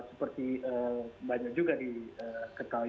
seperti banyak juga diketahui